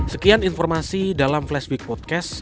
sekian informasi dalam flash week podcast